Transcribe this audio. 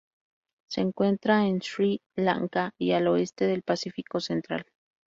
Se encuentra en Sri Lanka y al oeste del Pacífico central.